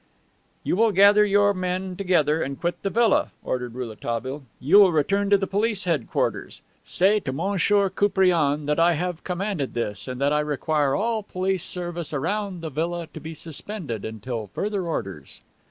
"You will gather your men together and quit the villa," ordered Rouletabille. "You will return to the police Headguarters. Say to M. Koupriane that I have commanded this and that I require all police service around the villa to be suspended until further orders."